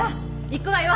行くわよ